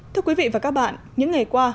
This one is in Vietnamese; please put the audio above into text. thưa quý vị và các bạn những ngày qua